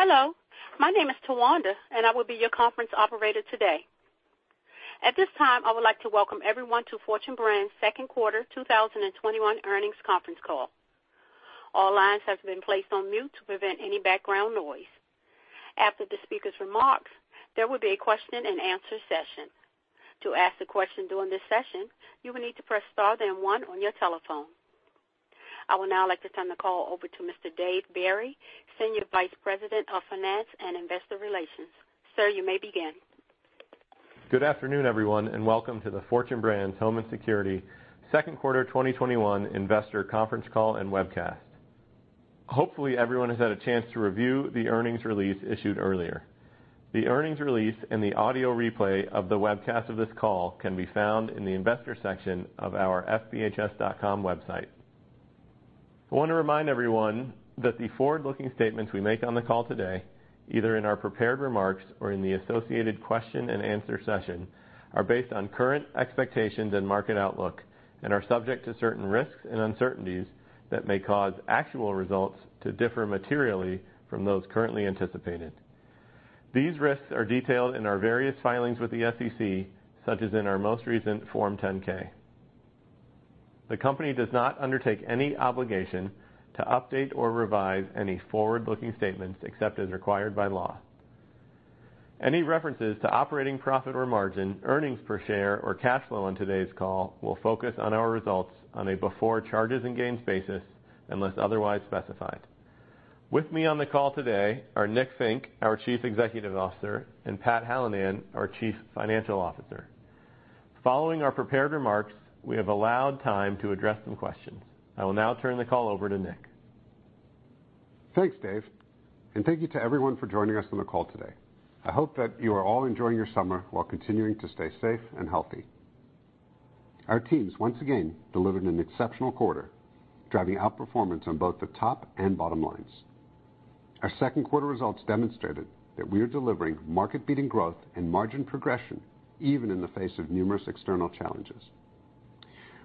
Hello. My name is Tawanda, and I will be your conference operator today. At this time, I would like to welcome everyone to Fortune Brands Second Quarter 2021 Earnings Conference Call. All lines have been placed on mute to prevent any background noise. After the speaker's remarks, there will be a question and answer session. To ask the question during this session, you will need to press star then one on your telephone. I would now like to turn the call over to Mr. David Barry, Senior Vice President of Finance and Investor Relations. Sir, you may begin. Good afternoon, everyone, and welcome to the Fortune Brands Home & Security second quarter 2021 investor conference call and webcast. Hopefully, everyone has had a chance to review the earnings release issued earlier. The earnings release and the audio replay of the webcast of this call can be found in the Investors section of our fbhs.com website. I want to remind everyone that the forward-looking statements we make on the call today, either in our prepared remarks or in the associated question and answer session, are based on current expectations and market outlook and are subject to certain risks and uncertainties that may cause actual results to differ materially from those currently anticipated. These risks are detailed in our various filings with the SEC, such as in our most recent Form 10-K. The company does not undertake any obligation to update or revise any forward-looking statements except as required by law. Any references to operating profit or margin, earnings per share or cash flow on today's call will focus on our results on a before charges and gains basis unless otherwise specified. With me on the call today are Nick Fink, our Chief Executive Officer, and Patrick Hallinan, our Chief Financial Officer. Following our prepared remarks, we have allowed time to address some questions. I will now turn the call over to Nick. Thanks, Dave. Thank you to everyone for joining us on the call today. I hope that you are all enjoying your summer while continuing to stay safe and healthy. Our teams once again delivered an exceptional quarter, driving outperformance on both the top and bottom lines. Our second quarter results demonstrated that we are delivering market-beating growth and margin progression even in the face of numerous external challenges.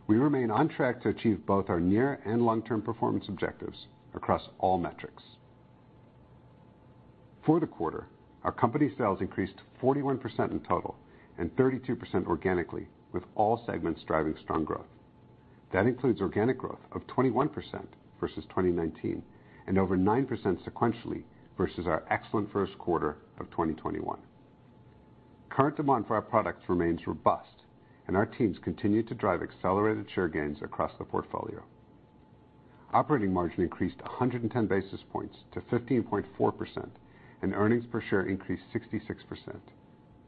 We remain on track to achieve both our near and long-term performance objectives across all metrics. For the quarter, our company sales increased 41% in total and 32% organically, with all segments driving strong growth. That includes organic growth of 21% versus 2019 and over 9% sequentially versus our excellent first quarter of 2021. Current demand for our products remains robust and our teams continue to drive accelerated share gains across the portfolio. Operating margin increased 110 basis points to 15.4%, and earnings per share increased 66%.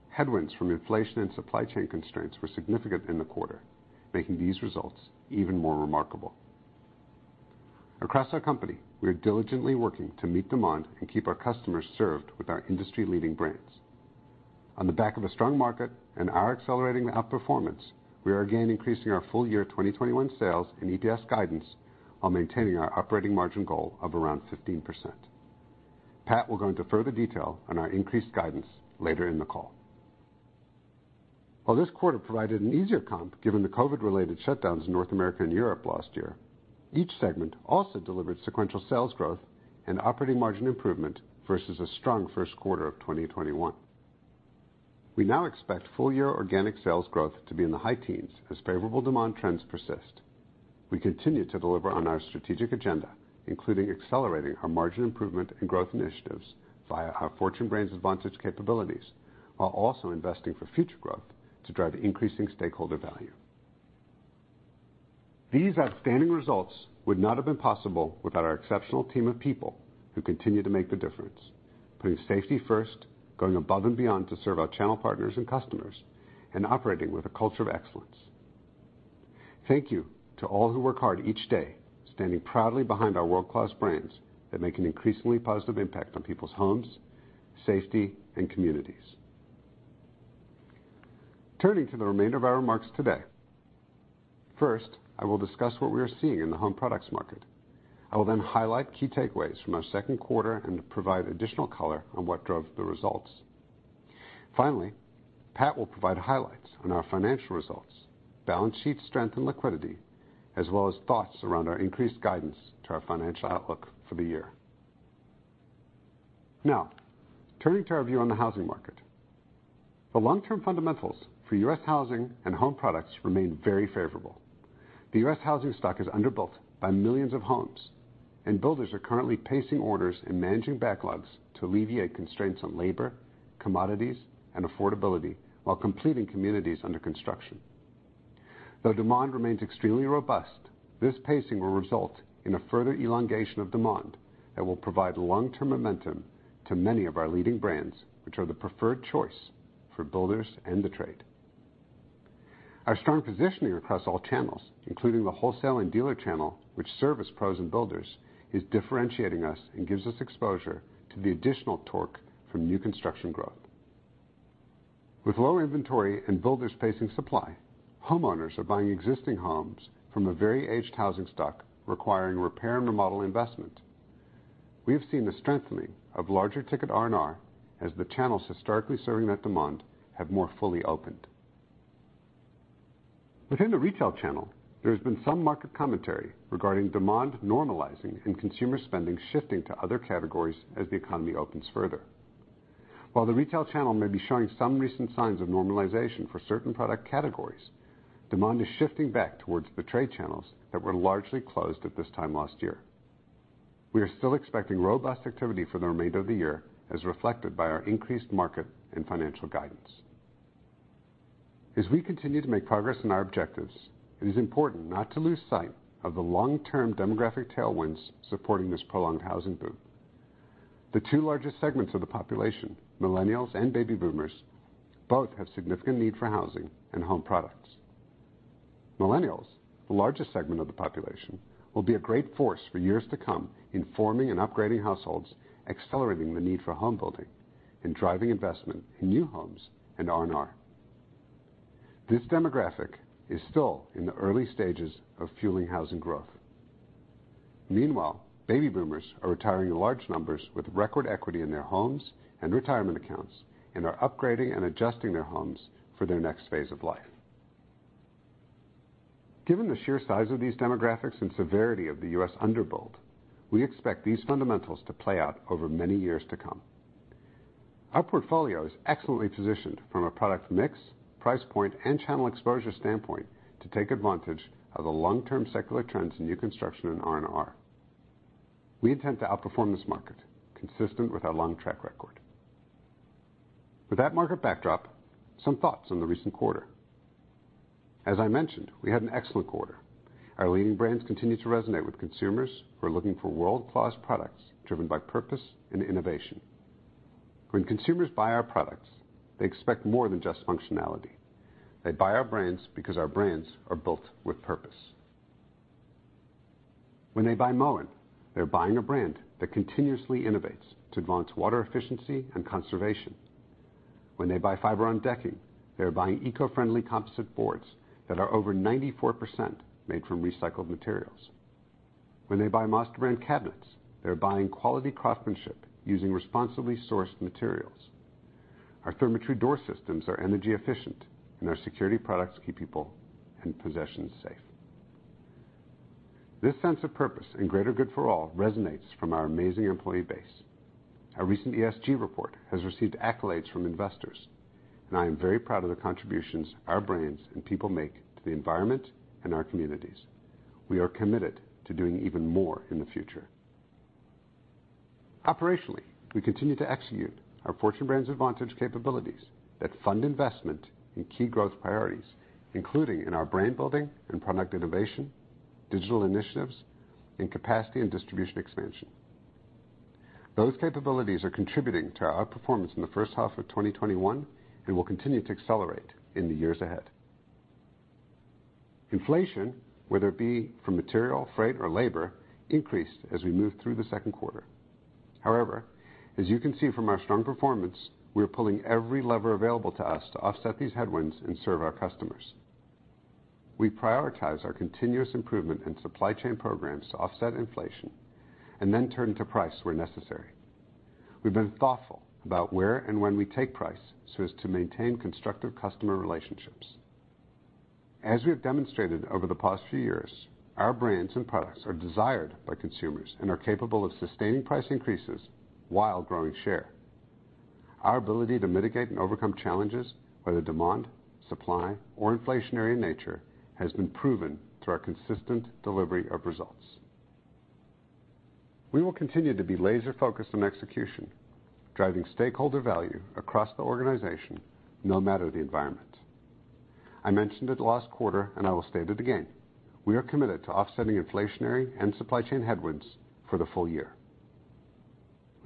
Headwinds from inflation and supply chain constraints were significant in the quarter, making these results even more remarkable. Across our company, we are diligently working to meet demand and keep our customers served with our industry-leading brands. On the back of a strong market and our accelerating outperformance, we are again increasing our full year 2021 sales and EPS guidance while maintaining our operating margin goal of around 15%. Pat will go into further detail on our increased guidance later in the call. While this quarter provided an easier comp, given the COVID-related shutdowns in North America and Europe last year, each segment also delivered sequential sales growth and operating margin improvement versus a strong first quarter of 2021. We now expect full year organic sales growth to be in the high teens as favorable demand trends persist. We continue to deliver on our strategic agenda, including accelerating our margin improvement and growth initiatives via our Fortune Brands Advantage capabilities, while also investing for future growth to drive increasing stakeholder value. These outstanding results would not have been possible without our exceptional team of people who continue to make the difference, putting safety first, going above and beyond to serve our channel partners and customers, and operating with a culture of excellence. Thank you to all who work hard each day, standing proudly behind our world-class brands that make an increasingly positive impact on people's homes, safety, and communities. Turning to the remainder of our remarks today. First, I will discuss what we are seeing in the home products market. I will then highlight key takeaways from our second quarter and provide additional color on what drove the results. Pat will provide highlights on our financial results, balance sheet strength and liquidity, as well as thoughts around our increased guidance to our financial outlook for the year. Turning to our view on the housing market. The long-term fundamentals for U.S. housing and home products remain very favorable. The U.S. housing stock is underbuilt by millions of homes, and builders are currently pacing orders and managing backlogs to alleviate constraints on labor, commodities, and affordability while completing communities under construction. Though demand remains extremely robust, this pacing will result in a further elongation of demand that will provide long-term momentum to many of our leading brands, which are the preferred choice for builders and the trade. Our strong positioning across all channels, including the wholesale and dealer channel, which service pros and builders, is differentiating us and gives us exposure to the additional torque from new construction growth. With low inventory and builders pacing supply, homeowners are buying existing homes from a very aged housing stock requiring repair and remodel investment. We have seen the strengthening of larger ticket R&R as the channels historically serving that demand have more fully opened. Within the retail channel, there has been some market commentary regarding demand normalizing and consumer spending shifting to other categories as the economy opens further. While the retail channel may be showing some recent signs of normalization for certain product categories, demand is shifting back towards the trade channels that were largely closed at this time last year. We are still expecting robust activity for the remainder of the year, as reflected by our increased market and financial guidance. As we continue to make progress on our objectives, it is important not to lose sight of the long-term demographic tailwinds supporting this prolonged housing boom. The two largest segments of the population, millennials and baby boomers, both have significant need for housing and home products. Millennials, the largest segment of the population, will be a great force for years to come in forming and upgrading households, accelerating the need for home building and driving investment in new homes and R&R. This demographic is still in the early stages of fueling housing growth. Meanwhile, baby boomers are retiring in large numbers with record equity in their homes and retirement accounts, and are upgrading and adjusting their homes for their next phase of life. Given the sheer size of these demographics and severity of the U.S. underbuild, we expect these fundamentals to play out over many years to come. Our portfolio is excellently positioned from a product mix, price point, and channel exposure standpoint to take advantage of the long-term secular trends in new construction and R&R. We intend to outperform this market consistent with our long track record. With that market backdrop, some thoughts on the recent quarter. As I mentioned, we had an excellent quarter. Our leading brands continue to resonate with consumers who are looking for world-class products driven by purpose and innovation. When consumers buy our products, they expect more than just functionality. They buy our brands because our brands are built with purpose. When they buy Moen, they're buying a brand that continuously innovates to advance water efficiency and conservation. When they buy Fiberon decking, they're buying eco-friendly composite boards that are over 94% made from recycled materials. When they buy MasterBrand Cabinets, they're buying quality craftsmanship using responsibly sourced materials. Our Therma-Tru door systems are energy efficient, and our security products keep people and possessions safe. This sense of purpose and greater good for all resonates from our amazing employee base. Our recent ESG report has received accolades from investors, and I am very proud of the contributions our brands and people make to the environment and our communities. We are committed to doing even more in the future. Operationally, we continue to execute our Fortune Brands Advantage capabilities that fund investment in key growth priorities, including in our brand building and product innovation, digital initiatives, and capacity and distribution expansion. Those capabilities are contributing to our outperformance in the first half of 2021 and will continue to accelerate in the years ahead. Inflation, whether it be from material, freight, or labor, increased as we moved through the second quarter. However, as you can see from our strong performance, we are pulling every lever available to us to offset these headwinds and serve our customers. We prioritize our continuous improvement in supply chain programs to offset inflation and then turn to price where necessary. We've been thoughtful about where and when we take price so as to maintain constructive customer relationships. As we have demonstrated over the past few years, our brands and products are desired by consumers and are capable of sustaining price increases while growing share. Our ability to mitigate and overcome challenges, whether demand, supply, or inflationary in nature, has been proven through our consistent delivery of results. We will continue to be laser-focused on execution, driving stakeholder value across the organization, no matter the environment. I mentioned it last quarter, and I will state it again. We are committed to offsetting inflationary and supply chain headwinds for the full year.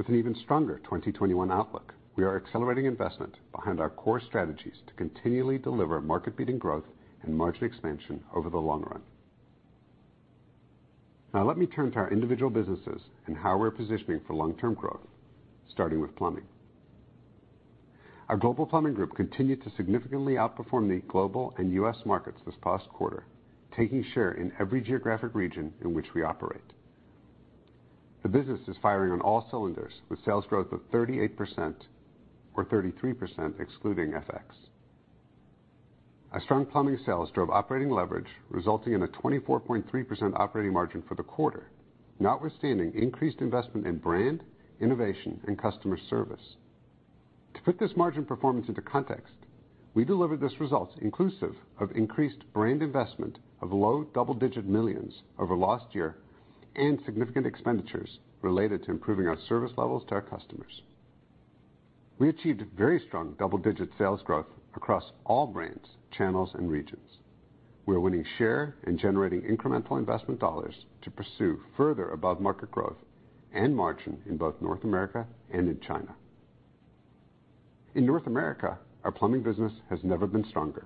With an even stronger 2021 outlook, we are accelerating investment behind our core strategies to continually deliver market-leading growth and margin expansion over the long run. Now let me turn to our individual businesses and how we're positioning for long-term growth, starting with plumbing. Our Global Plumbing Group continued to significantly outperform the global and U.S. markets this past quarter, taking share in every geographic region in which we operate. The business is firing on all cylinders with sales growth of 38%, or 33% excluding FX. Our strong plumbing sales drove operating leverage, resulting in a 24.3% operating margin for the quarter, notwithstanding increased investment in brand, innovation, and customer service. To put this margin performance into context, we delivered this result inclusive of increased brand investment of $ low double-digit millions over last year and significant expenditures related to improving our service levels to our customers. We achieved very strong double-digit sales growth across all brands, channels, and regions. We are winning share and generating incremental investment dollars to pursue further above-market growth and margin in both North America and in China. In North America, our plumbing business has never been stronger.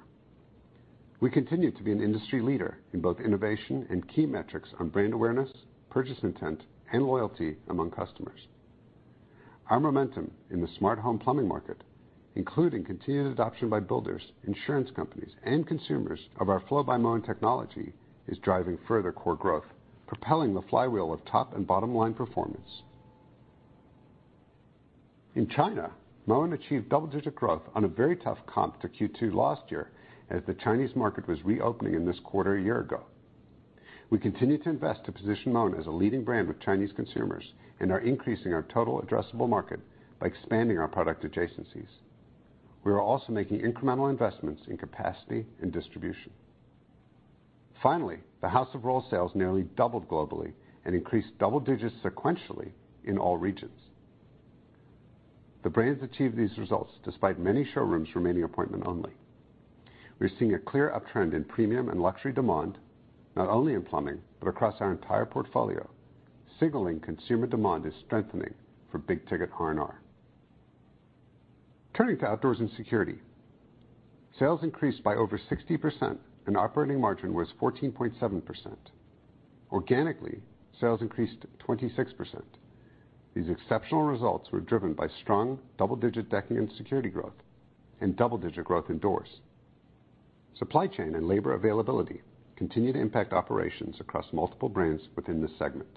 We continue to be an industry leader in both innovation and key metrics on brand awareness, purchase intent, and loyalty among customers. Our momentum in the smart home plumbing market, including continued adoption by builders, insurance companies, and consumers of our Flo by Moen technology, is driving further core growth, propelling the flywheel of top and bottom line performance. In China, Moen achieved double-digit growth on a very tough comp to Q2 last year, as the Chinese market was reopening in this quarter a year ago. We continue to invest to position Moen as a leading brand with Chinese consumers and are increasing our total addressable market by expanding our product adjacencies. We are also making incremental investments in capacity and distribution. Finally, the House of Rohl sales nearly doubled globally and increased double digits sequentially in all regions. The brands achieved these results despite many showrooms remaining appointment only. We are seeing a clear uptrend in premium and luxury demand, not only in plumbing, but across our entire portfolio, signaling consumer demand is strengthening for big-ticket R&R. Turning to Outdoors and Security. Sales increased by over 60% and operating margin was 14.7%. Organically, sales increased 26%. These exceptional results were driven by strong double-digit decking and security growth and double-digit growth in doors. Supply chain and labor availability continue to impact operations across multiple brands within this segment.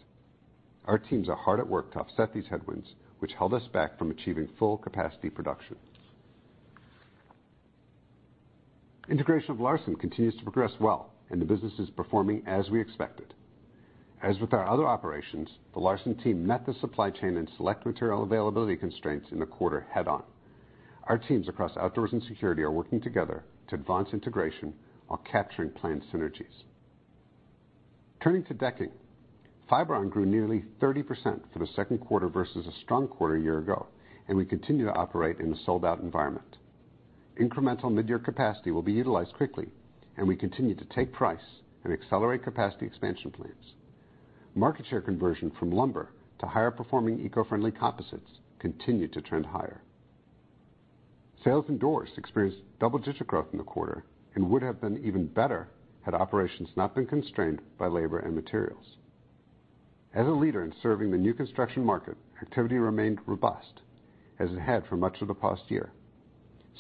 Our teams are hard at work to offset these headwinds, which held us back from achieving full capacity production. Integration of LARSON continues to progress well, and the business is performing as we expected. As with our other operations, the LARSON team met the supply chain and select material availability constraints in the quarter head-on. Our teams across Outdoors and Security are working together to advance integration while capturing planned synergies. Turning to Decking, Fiberon grew nearly 30% for the second quarter versus a strong quarter a year ago. We continue to operate in a sold-out environment. Incremental midyear capacity will be utilized quickly. We continue to take price and accelerate capacity expansion plans. Market share conversion from lumber to higher performing eco-friendly composites continued to trend higher. Sales in doors experienced double-digit growth in the quarter and would have been even better had operations not been constrained by labor and materials. As a leader in serving the new construction market, activity remained robust, as it had for much of the past year.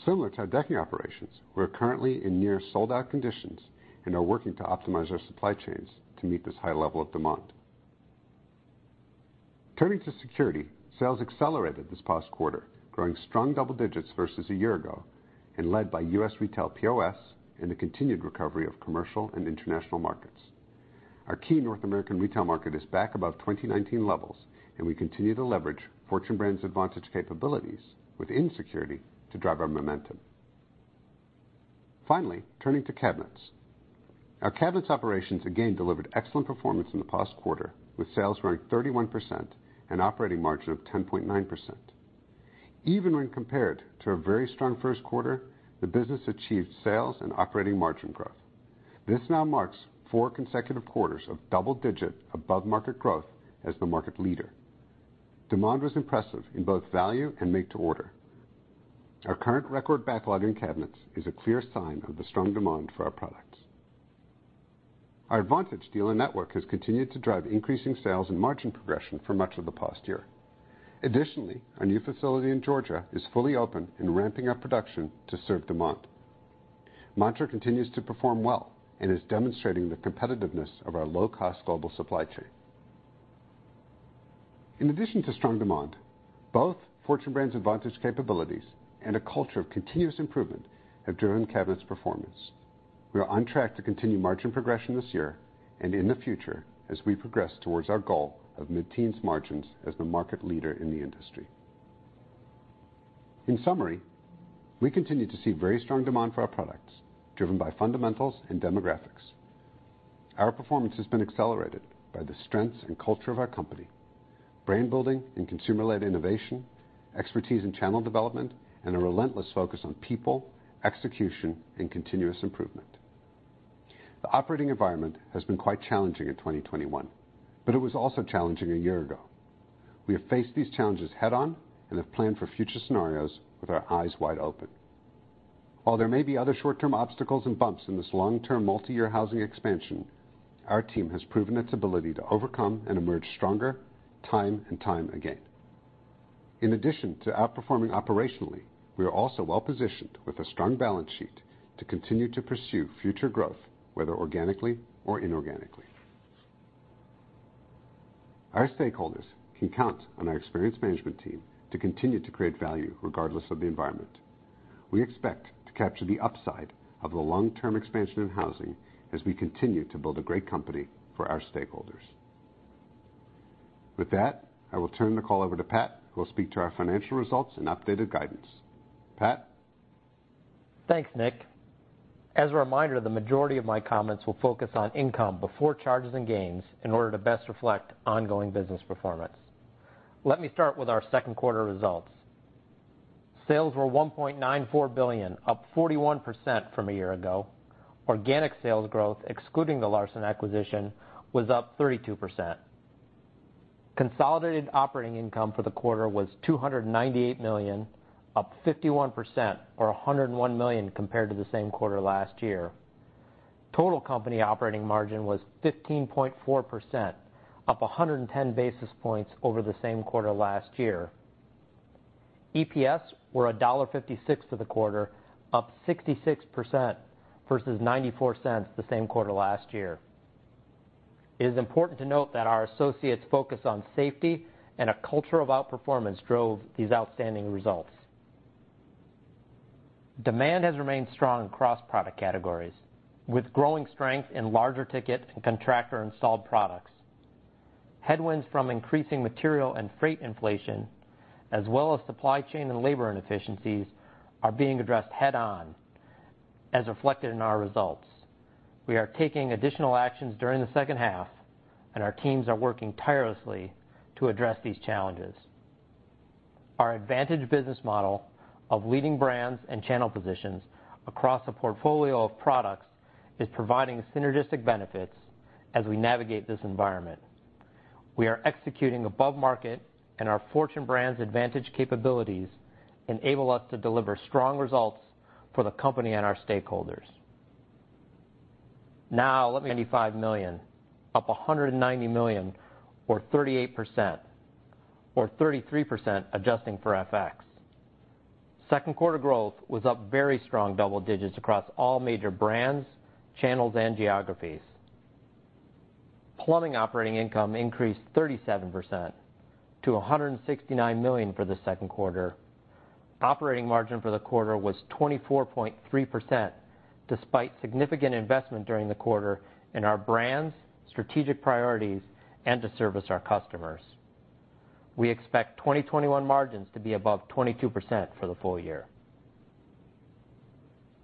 Similar to our decking operations, we are currently in near sold-out conditions and are working to optimize our supply chains to meet this high level of demand. Turning to Security, sales accelerated this past quarter, growing strong double-digits versus a year ago and led by U.S. retail POS and the continued recovery of commercial and international markets. Our key North American retail market is back above 2019 levels. We continue to leverage Fortune Brands Advantage capabilities within security to drive our momentum. Turning to Cabinets. Our Cabinets operations again delivered excellent performance in the past quarter, with sales growing 31% and operating margin of 10.9%. Even when compared to a very strong first quarter, the business achieved sales and operating margin growth. This now marks four consecutive quarters of double-digit above-market growth as the market leader. Demand was impressive in both value and make to order. Our current record backlog in Cabinets is a clear sign of the strong demand for our products. Our Advantage dealer network has continued to drive increasing sales and margin progression for much of the past year. Additionally, our new facility in Georgia is fully open and ramping up production to serve demand. Mantra continues to perform well and is demonstrating the competitiveness of our low-cost global supply chain. In addition to strong demand, both Fortune Brands Advantage capabilities and a culture of continuous improvement have driven Cabinets' performance. We are on track to continue margin progression this year and in the future as we progress towards our goal of mid-teens margins as the market leader in the industry. In summary, we continue to see very strong demand for our products, driven by fundamentals and demographics. Our performance has been accelerated by the strengths and culture of our company, brand building and consumer-led innovation, expertise in channel development, and a relentless focus on people, execution, and continuous improvement. The operating environment has been quite challenging in 2021, but it was also challenging a year ago. We have faced these challenges head-on and have planned for future scenarios with our eyes wide open. While there may be other short-term obstacles and bumps in this long-term multiyear housing expansion, Our team has proven its ability to overcome and emerge stronger time and time again. In addition to outperforming operationally, we are also well-positioned with a strong balance sheet to continue to pursue future growth, whether organically or inorganically. Our stakeholders can count on our experienced management team to continue to create value regardless of the environment. We expect to capture the upside of the long-term expansion in housing as we continue to build a great company for our stakeholders. With that, I will turn the call over to Pat, who will speak to our financial results and updated guidance. Pat? Thanks, Nick. As a reminder, the majority of my comments will focus on income before charges and gains in order to best reflect ongoing business performance. Let me start with our second quarter results. Sales were $1.94 billion, up 41% from a year ago. Organic sales growth, excluding the LARSON acquisition, was up 32%. Consolidated operating income for the quarter was $298 million, up 51%, or $101 million compared to the same quarter last year. Total company operating margin was 15.4%, up 110 basis points over the same quarter last year. EPS were $1.56 for the quarter, up 66% versus $0.94 the same quarter last year. It is important to note that our associates' focus on safety and a culture of outperformance drove these outstanding results. Demand has remained strong across product categories, with growing strength in larger ticket and contractor-installed products. Headwinds from increasing material and freight inflation, as well as supply chain and labor inefficiencies, are being addressed head-on as reflected in our results. We are taking additional actions during the second half, and our teams are working tirelessly to address these challenges. Our advantage business model of leading brands and channel positions across a portfolio of products is providing synergistic benefits as we navigate this environment. We are executing above market, and our Fortune Brands Advantage capabilities enable us to deliver strong results for the company and our stakeholders. $95 million, up $190 million or 38%, or 33% adjusting for FX. Second quarter growth was up very strong double digits across all major brands, channels, and geographies. Plumbing operating income increased 37% to $169 million for the second quarter. Operating margin for the quarter was 24.3% despite significant investment during the quarter in our brands, strategic priorities, and to service our customers. We expect 2021 margins to be above 22% for the full year.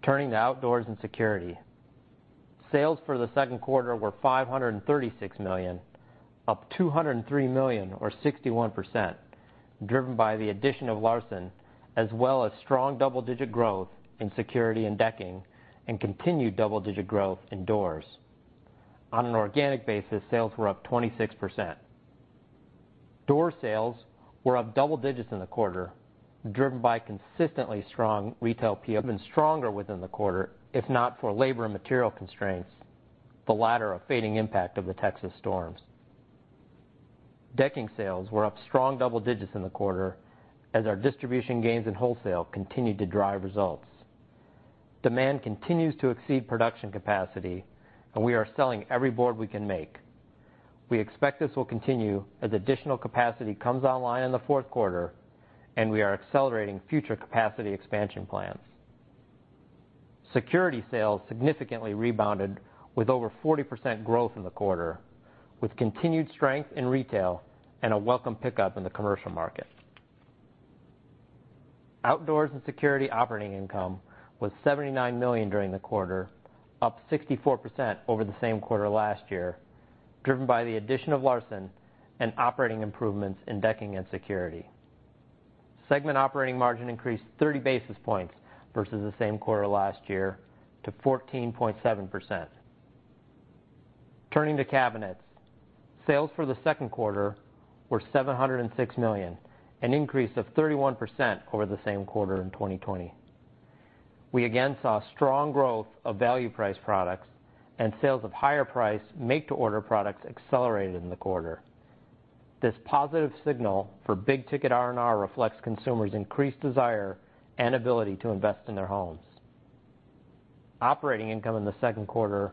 Turning to outdoors and security. Sales for the second quarter were $536 million, up $203 million or 61%, driven by the addition of LARSON, as well as strong double-digit growth in security and decking and continued double-digit growth in doors. On an organic basis, sales were up 26%. Door sales were up double digits in the quarter, driven by consistently strong retail. Sales have been stronger within the quarter, if not for labor and material constraints, the latter a fading impact of the Texas storms. Decking sales were up strong double digits in the quarter as our distribution gains in wholesale continued to drive results. Demand continues to exceed production capacity. We are selling every board we can make. We expect this will continue as additional capacity comes online in the fourth quarter. We are accelerating future capacity expansion plans. Security sales significantly rebounded with over 40% growth in the quarter, with continued strength in retail and a welcome pickup in the commercial market. Outdoors and security operating income was $79 million during the quarter, up 64% over the same quarter last year, driven by the addition of LARSON and operating improvements in decking and security. Segment operating margin increased 30 basis points versus the same quarter last year to 14.7%. Turning to cabinets. Sales for the second quarter were $706 million, an increase of 31% over the same quarter in 2020. We again saw strong growth of value price products and sales of higher price make-to-order products accelerated in the quarter. This positive signal for big ticket R&R reflects consumers increased desire and ability to invest in their homes. Operating income in the second quarter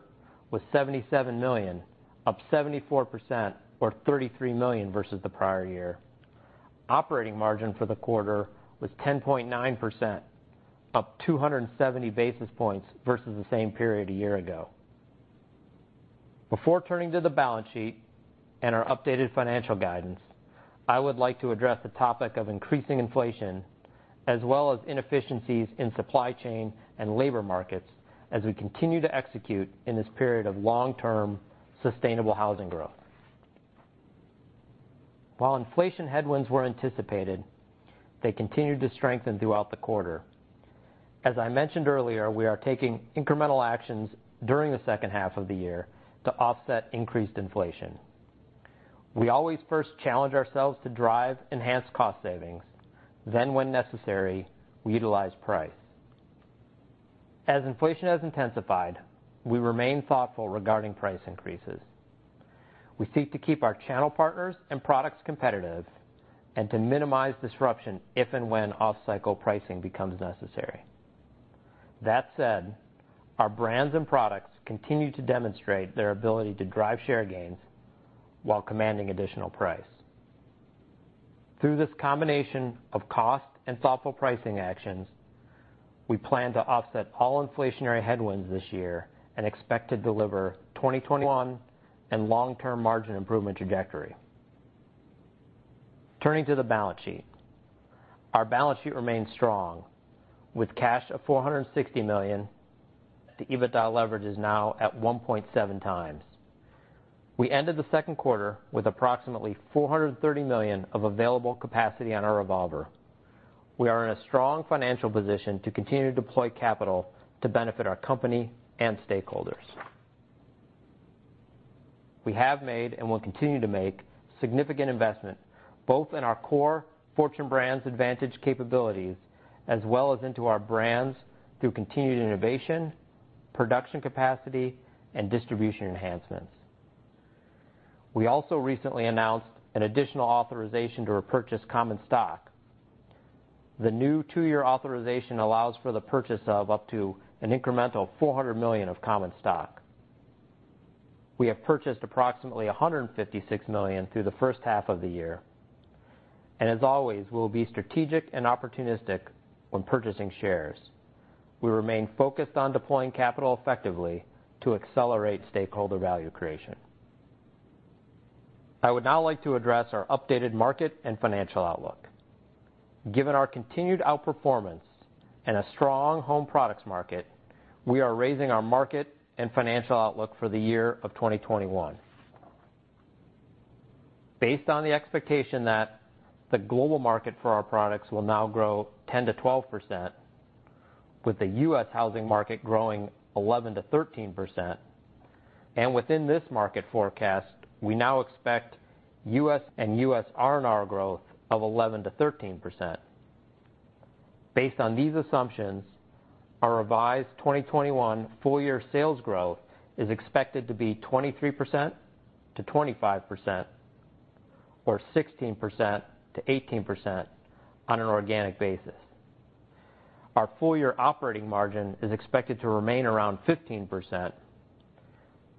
was $77 million, up 74% to $33 million versus the prior year. Operating margin for the quarter was 10.9%, up 270 basis points versus the same period a year ago. Before turning to the balance sheet and our updated financial guidance, I would like to address the topic of increasing inflation as well as inefficiencies in supply chain and labor markets as we continue to execute in this period of long-term sustainable housing growth. While inflation headwinds were anticipated, they continued to strengthen throughout the quarter. As I mentioned earlier, we are taking incremental actions during the second half of the year to offset increased inflation. We always first challenge ourselves to drive enhanced cost savings, then when necessary, we utilize price. As inflation has intensified, we remain thoughtful regarding price increases. We seek to keep our channel partners and products competitive and to minimize disruption if and when off-cycle pricing becomes necessary. That said, our brands and products continue to demonstrate their ability to drive share gains while commanding additional price. Through this combination of cost and thoughtful pricing actions, we plan to offset all inflationary headwinds this year and expect to deliver 2021 and long-term margin improvement trajectory. Turning to the balance sheet. Our balance sheet remains strong with cash of $460 million. The EBITDA leverage is now at 1.7 times. We ended the second quarter with approximately $430 million of available capacity on our revolver. We are in a strong financial position to continue to deploy capital to benefit our company and stakeholders. We have made and will continue to make significant investment both in our core Fortune Brands Advantage capabilities as well as into our brands through continued innovation, production capacity, and distribution enhancements. We also recently announced an additional authorization to repurchase common stock. The new two-year authorization allows for the purchase of up to an incremental $400 million of common stock. We have purchased approximately $156 million through the first half of the year. As always, we'll be strategic and opportunistic when purchasing shares. We remain focused on deploying capital effectively to accelerate stakeholder value creation. I would now like to address our updated market and financial outlook. Given our continued outperformance and a strong home products market, we are raising our market and financial outlook for the year of 2021. Based on the expectation that the global market for our products will now grow 10%-12%, with the U.S. housing market growing 11%-13%. Within this market forecast, we now expect U.S. and U.S. R&R growth of 11%-13%. Based on these assumptions, our revised 2021 full-year sales growth is expected to be 23%-25%, or 16%-18% on an organic basis. Our full-year operating margin is expected to remain around 15%.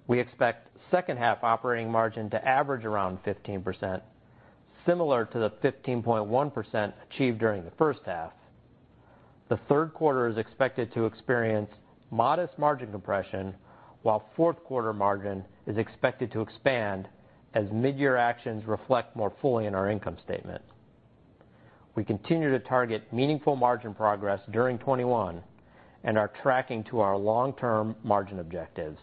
We expect second half operating margin to average around 15%, similar to the 15.1% achieved during the first half. The third quarter is expected to experience modest margin compression, while fourth quarter margin is expected to expand as mid-year actions reflect more fully in our income statement. We continue to target meaningful margin progress during 2021 and are tracking to our long-term margin objectives,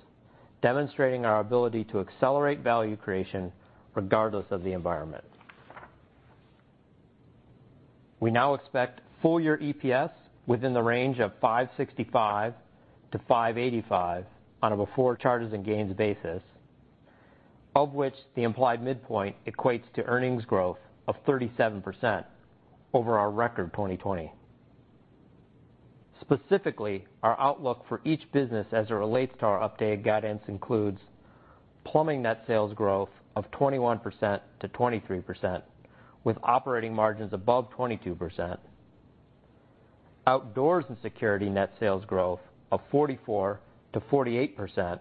demonstrating our ability to accelerate value creation regardless of the environment. We now expect full-year EPS within the range of $5.65-$5.85 on a before charges and gains basis, of which the implied midpoint equates to earnings growth of 37% over our record 2020. Specifically, our outlook for each business as it relates to our updated guidance includes plumbing net sales growth of 21%-23%, with operating margins above 22%. Outdoors and security net sales growth of 44%-48%,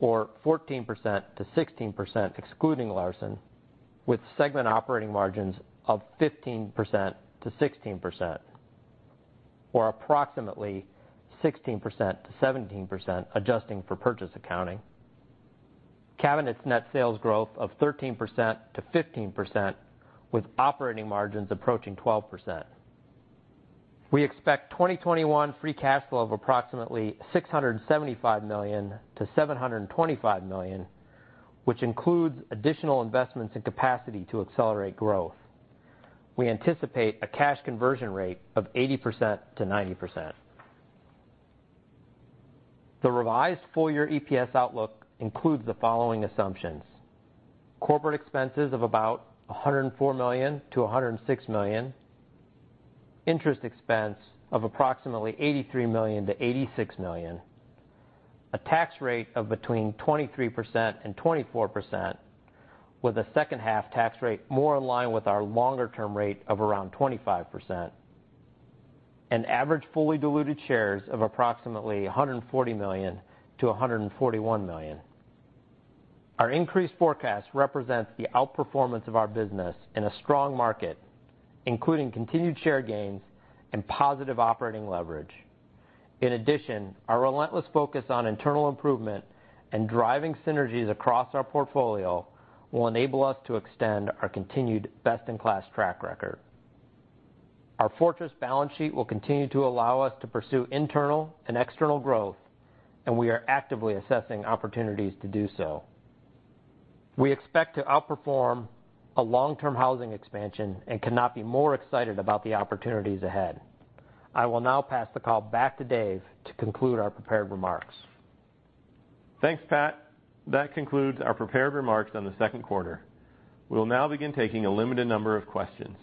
or 14%-16% excluding LARSON, with segment operating margins of 15%-16%, or approximately 16%-17% adjusting for purchase accounting. Cabinets net sales growth of 13%-15%, with operating margins approaching 12%. We expect 2021 free cash flow of approximately $675 million-$725 million, which includes additional investments in capacity to accelerate growth. We anticipate a cash conversion rate of 80%-90%. The revised full-year EPS outlook includes the following assumptions. Corporate expenses of about $104 million-$106 million, interest expense of approximately $83 million-$86 million, a tax rate of between 23% and 24%, with a second half tax rate more in line with our longer-term rate of around 25%, and average fully diluted shares of approximately 140 million-141 million. Our increased forecast represents the outperformance of our business in a strong market, including continued share gains and positive operating leverage. In addition, our relentless focus on internal improvement and driving synergies across our portfolio will enable us to extend our continued best-in-class track record. Our fortress balance sheet will continue to allow us to pursue internal and external growth. We are actively assessing opportunities to do so. We expect to outperform a long-term housing expansion. Cannot be more excited about the opportunities ahead. I will now pass the call back to Dave to conclude our prepared remarks. Thanks, Pat. That concludes our prepared remarks on the second quarter. We'll now begin taking a limited number of questions.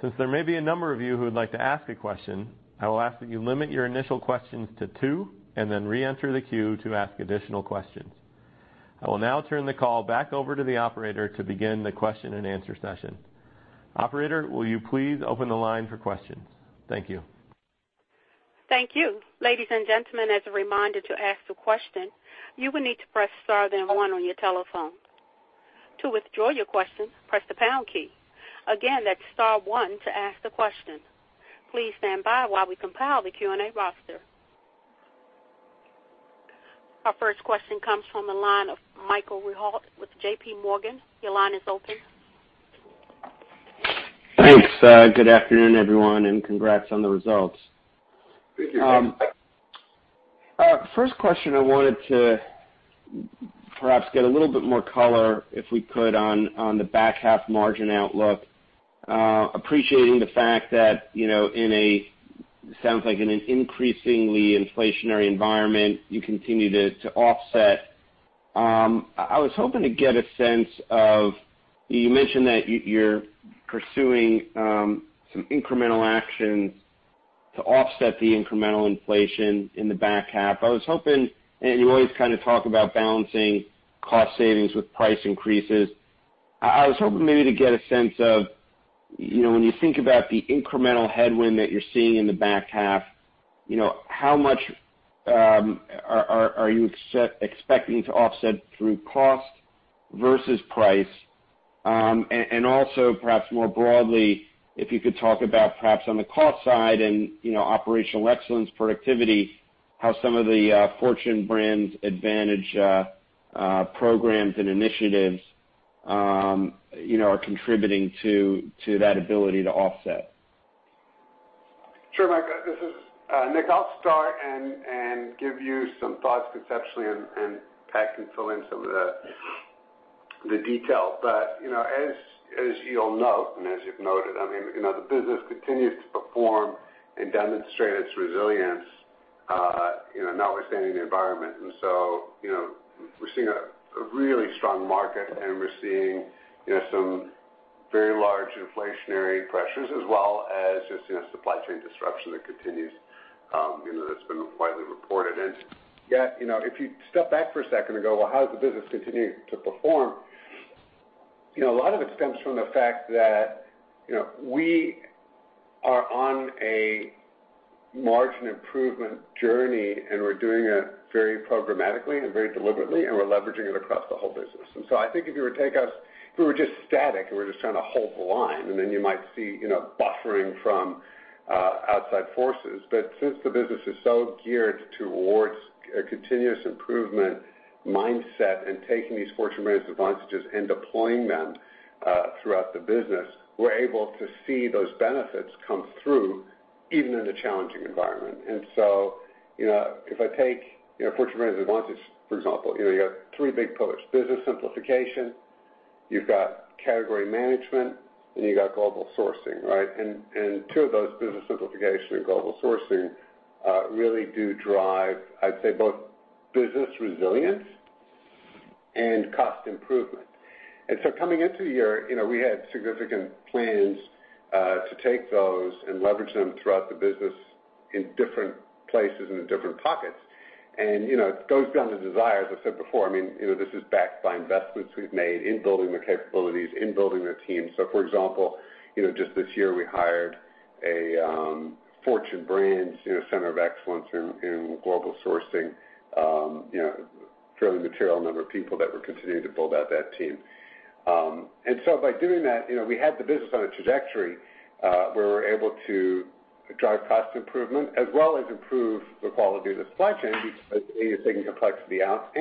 Since there may be a number of you who would like to ask a question, I will ask that you limit your initial questions to two and then reenter the queue to ask additional questions. I will now turn the call back over to the operator to begin the question and answer session. Operator, will you please open the line for questions? Thank you. Thank you, ladies and gentlemen. As a reminder, to ask question, you will need to press star then one on your telephone. To withdraw your question, press the pound key. Again, that's star one to ask a question. Please stand by while we compile Q&A roster. Our first question comes from the line of Michael Rehaut with JPMorgan. Your line is open. Thanks. Good afternoon, everyone, and congrats on the results. Thank you. First question I wanted to perhaps get a little bit more color, if we could, on the back half margin outlook. Appreciating the fact that in a, sounds like in an increasingly inflationary environment, you continue to offset. I was hoping to get a sense of. You mentioned that you're pursuing some incremental actions to offset the incremental inflation in the back half. I was hoping, and you always kind of talk about balancing cost savings with price increases. I was hoping maybe to get a sense of when you think about the incremental headwind that you're seeing in the back half, how much are you expecting to offset through cost versus price? Also perhaps more broadly, if you could talk about perhaps on the cost side and operational excellence productivity, how some of the Fortune Brands Advantage programs and initiatives are contributing to that ability to offset? Sure, Michael. This is Nick. I'll start and give you some thoughts conceptually and Pat can fill in some of the detail. As you'll note, and as you've noted, the business continues to perform and demonstrate its resilience notwithstanding the environment. We're seeing a really strong market and we're seeing some very large inflationary pressures, as well as just supply chain disruption that continues that's been widely reported. Yet, if you step back for a second and go, well, how does the business continue to perform? A lot of it stems from the fact that we are on a margin improvement journey, and we're doing it very programmatically and very deliberately, and we're leveraging it across the whole business. I think if you were to take us, if we were just static and we're just trying to hold the line, then you might see buffering from outside forces. Since the business is so geared towards a continuous improvement mindset and taking these Fortune Brands Advantages and deploying them throughout the business, we're able to see those benefits come through, even in a challenging environment. If I take Fortune Brands Advantage, for example, you got three big pillars, Business Simplification, you've got Category Management, and you got Global Sourcing, right? Two of those, Business Simplification and Global Sourcing, really do drive, I'd say, both business resilience and cost improvement. Coming into the year, we had significant plans to take those and leverage them throughout the business in different places and in different pockets. It goes beyond the desire, as I said before. This is backed by investments we've made in building the capabilities, in building the team. For example, just this year we hired a Fortune Brands center of excellence in global sourcing, a fairly material number of people that we're continuing to build out that team. By doing that, we had the business on a trajectory where we're able to drive cost improvement as well as improve the quality of the supply chain because A, you're taking complexity out.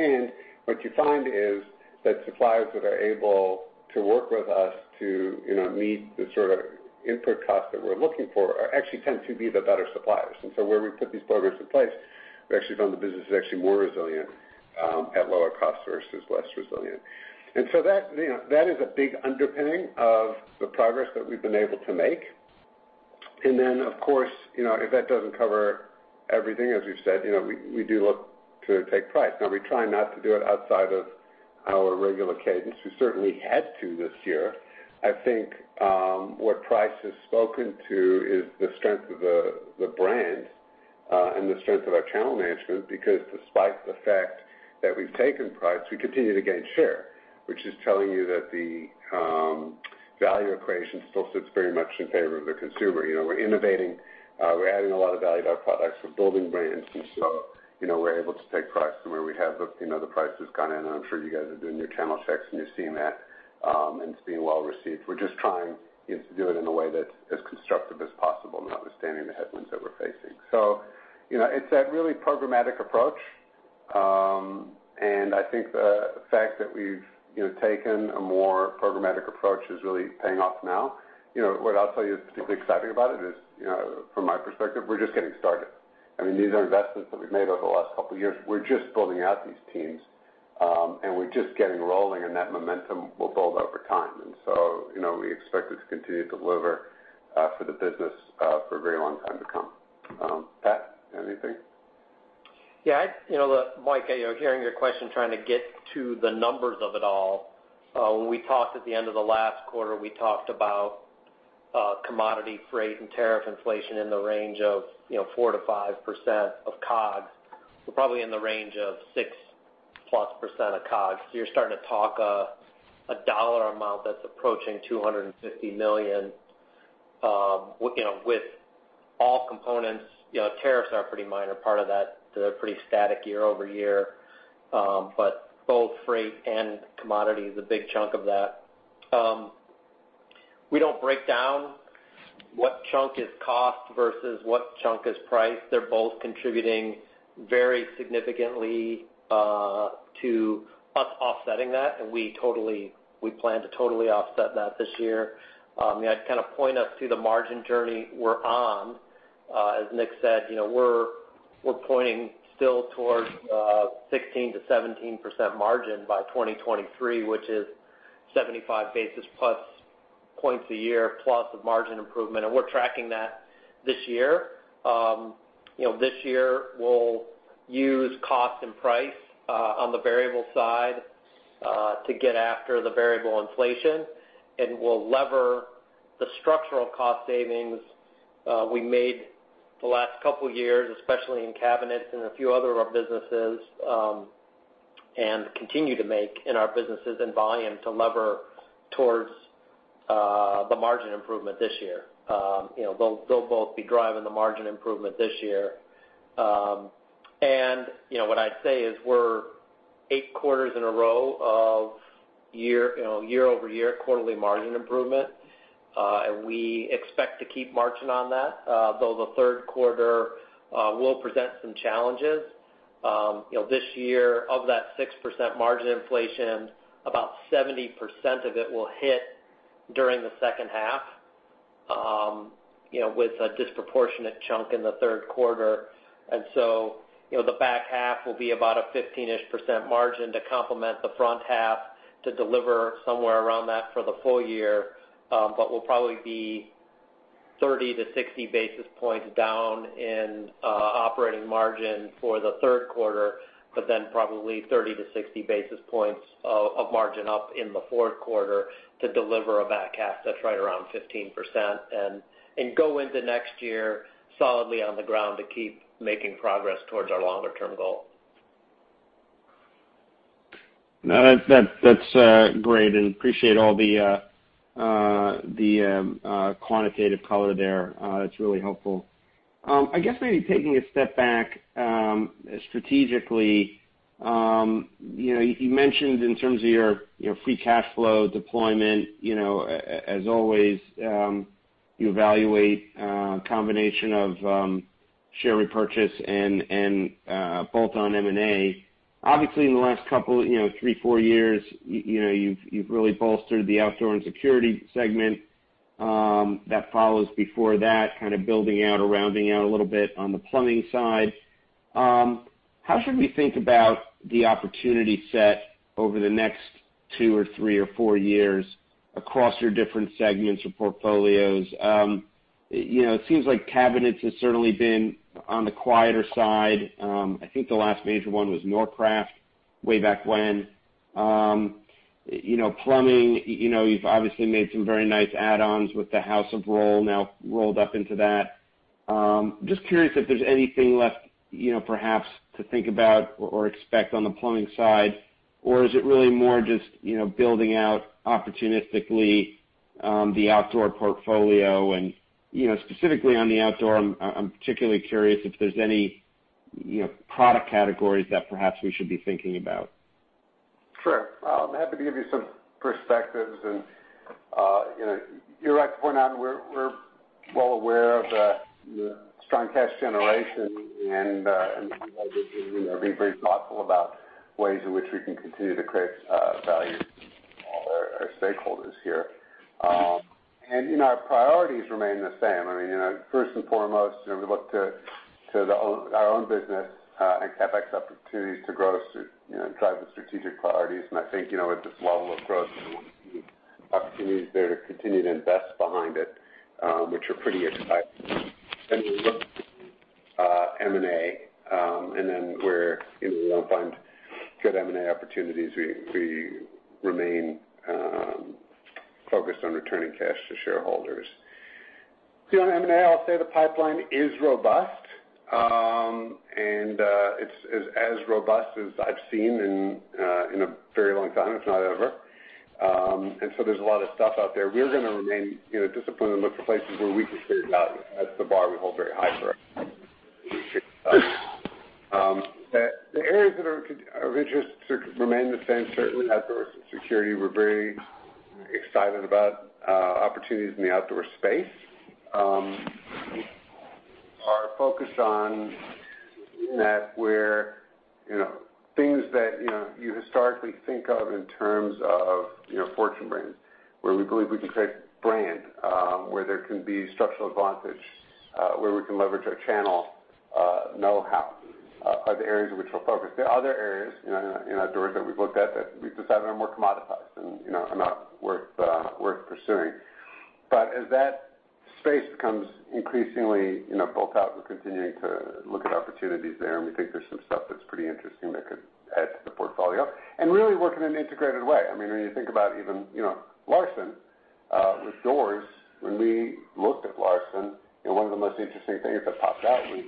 What you find is that suppliers that are able to work with us to meet the sort of input cost that we're looking for actually tend to be the better suppliers. Where we put these programs in place, we actually found the business is actually more resilient at lower cost versus less resilient. That is a big underpinning of the progress that we've been able to make. Then, of course, if that doesn't cover everything, as you've said, we do look to take price. We try not to do it outside of our regular cadence. We certainly had to this year. I think, what price has spoken to is the strength of the brand, and the strength of our channel management, because despite the fact that we've taken price, we continue to gain share, which is telling you that the value equation still sits very much in favor of the consumer. We're innovating, we're adding a lot of value to our products. We're building brands, so we're able to take price. Where we have, the price has gone in, I'm sure you guys are doing your channel checks and you're seeing that, and it's being well received. We're just trying to do it in a way that's as constructive as possible, notwithstanding the headwinds that we're facing. It's that really programmatic approach. I think the fact that we've taken a more programmatic approach is really paying off now. What I'll tell you is particularly exciting about it is, from my perspective, we're just getting started. These are investments that we've made over the last couple of years. We're just building out these teams, and we're just getting rolling, and that momentum will build over time. We expect it to continue to deliver for the business for a very long time to come. Pat, anything? Yeah. Mike, hearing your question, trying to get to the numbers of it all. When we talked at the end of the last quarter, we talked about commodity freight and tariff inflation in the range of 4%-5% of COGS. We're probably in the range of 6%+ of COGS. You're starting to talk a dollar amount that's approaching $250 million, with all components. Tariffs are a pretty minor part of that. They're pretty static year-over-year. Both freight and commodity is a big chunk of that. We don't break down what chunk is cost versus what chunk is price. They're both contributing very significantly to us offsetting that, and we plan to totally offset that this year. To kind of point us to the margin journey we're on, as Nick said, we're pointing still towards 16%-17% margin by 2023, which is 75 basis plus points a year plus of margin improvement. We're tracking that this year. This year, we'll use cost and price on the variable side to get after the variable inflation and will lever the structural cost savings we made the last couple of years, especially in cabinets and a few other of our businesses, and continue to make in our businesses and volume to lever towards the margin improvement this year. They'll both be driving the margin improvement this year. What I'd say is we're eight quarters in a row of year-over-year quarterly margin improvement. We expect to keep marching on that, though the third quarter will present some challenges. This year, of that 6% margin inflation, about 70% of it will hit during the second half with a disproportionate chunk in the third quarter. The back half will be about a 15-ish percent margin to complement the front half to deliver somewhere around that for the full year. We'll probably be 30-60 basis points down in operating margin for the third quarter, probably 30-60 basis points of margin up in the fourth quarter to deliver a back half that's right around 15% and go into next year solidly on the ground to keep making progress towards our longer-term goal. No, that's great and appreciate all the quantitative color there. It's really helpful. I guess maybe taking a step back strategically, you mentioned in terms of your free cash flow deployment, as always you evaluate a combination of share repurchase and bolt-on M&A. Obviously, in the last couple three, four years, you've really bolstered the Outdoor and Security segment that follows before that, kind of building out or rounding out a little bit on the Plumbing side. How should we think about the opportunity set over the next two or three or four years across your different segments or portfolios? It seems like Cabinets has certainly been on the quieter side. I think the last major one was Norcraft way back when. Plumbing, you've obviously made some very nice add-ons with the House of Rohl now rolled up into that. Just curious if there's anything left perhaps to think about or expect on the plumbing side, or is it really more just building out opportunistically the outdoor portfolio and specifically on the outdoor, I'm particularly curious if there's any product categories that perhaps we should be thinking about. Sure. I'm happy to give you some perspectives and you're right to point out we're well aware of the strong cash generation and we'd like to be very thoughtful about ways in which we can continue to create value for all our stakeholders here. Our priorities remain the same. First and foremost, we look to our own business and CapEx opportunities to grow, drive the strategic priorities. I think, at this level of growth, we want to see opportunities there to continue to invest behind it, which are pretty exciting. We look to M&A, where we won't find good M&A opportunities, we remain focused on returning cash to shareholders. On M&A, I'll say the pipeline is robust, it's as robust as I've seen in a very long time, if not ever. There's a lot of stuff out there. We are going to remain disciplined and look for places where we can create value. That's the bar we hold very high for ourselves. The areas that are of interest remain the same. Certainly outdoors and security. We're very excited about opportunities in the outdoor space. Our focus on that where things that you historically think of in terms of Fortune Brands, where we believe we can create brand, where there can be structural advantage, where we can leverage our channel know-how are the areas in which we'll focus. There are other areas in outdoor that we've looked at that we've decided are more commoditized and are not worth pursuing. As that space becomes increasingly built out, we're continuing to look at opportunities there, and we think there's some stuff that's pretty interesting that could add to the portfolio and really work in an integrated way. When you think about even LARSON with doors, when we looked at LARSON, one of the most interesting things that popped out was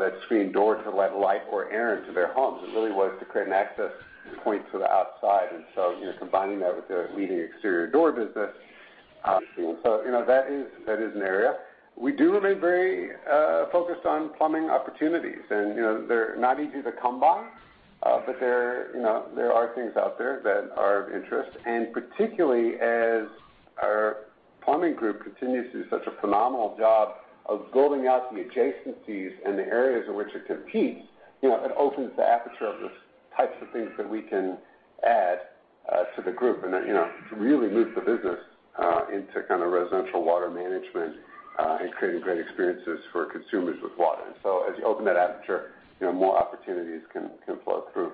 that screen door to let light or air into their homes. It really was to create an access point to the outside. Combining that with their leading exterior door business. That is an area. We do remain very focused on plumbing opportunities, and they're not easy to come by. There are things out there that are of interest, and particularly as our plumbing group continues to do such a phenomenal job of building out the adjacencies and the areas in which it competes, it opens the aperture of the types of things that we can add to the group and to really move the business into kind of residential water management and creating great experiences for consumers with water. As you open that aperture, more opportunities can flow through.